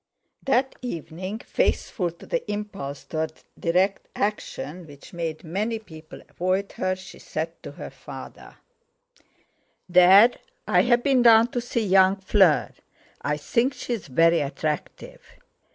That evening, faithful to the impulse toward direct action, which made many people avoid her, she said to her father: "Dad, I've been down to see young Fleur. I think she's very attractive.